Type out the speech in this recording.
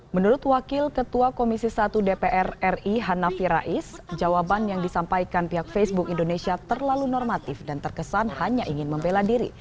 menurut wakil ketua komisi satu dpr ri hanafi rais jawaban yang disampaikan pihak facebook indonesia terlalu normatif dan terkesan hanya ingin membela diri